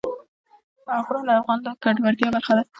غرونه د افغانانو د ګټورتیا برخه ده.